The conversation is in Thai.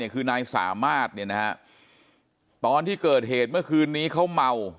คือนายสามารถตอนที่เกิดเหตุเมื่อคืนนี้เขาเมา